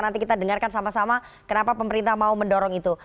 nanti kita dengarkan sama sama kenapa pemerintah mau mendorong itu